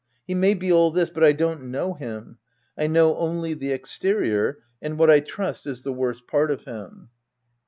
He may be all this, but I don't know him — I know only the exterior and what I trust is the worst part of him.